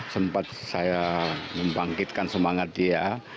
sempat saya membangkitkan semangat dia